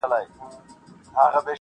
خو ځيني سيان نه بدلېږي هېڅکله,